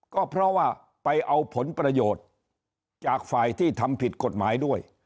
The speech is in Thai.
ก็เพราะว่าไปเอาผลประโยชน์จากฝ่ายที่ทำผิดกฎหมายด้วย